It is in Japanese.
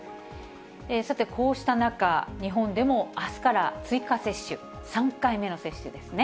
さて、こうした中、日本でもあすから追加接種、３回目の接種ですね。